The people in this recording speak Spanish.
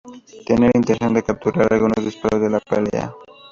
Tenía la intención de capturar algunos disparos de la pelea.